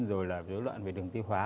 rồi là dối loạn về đường tiêu hóa